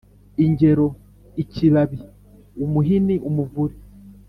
Ingero ikibabi, umuhini, umuvure,